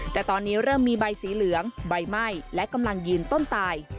แต่ตอนนี้เริ่มมีใบสีเหลืองใบไหม้และกำลังยืนต้นตาย